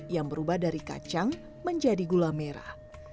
yang berubah dari kacang menjadi gula merah